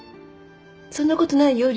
そんなことないよ